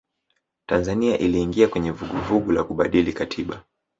tanzania iliingia kwenye vuguvugu la kubadili katiba